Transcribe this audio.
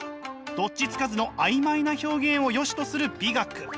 どっちつかずの曖昧な表現をよしとする美学。